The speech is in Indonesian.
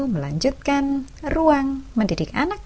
melanjutkan ruang mendidik anak